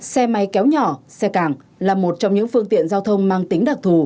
xe máy kéo nhỏ xe càng là một trong những phương tiện giao thông mang tính đặc thù